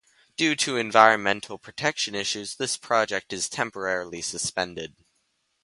Due to environmental protection issues, this project is temporarily suspended.